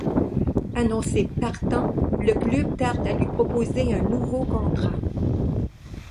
Annoncé partant, le club tarde à lui proposer un nouveau contrat.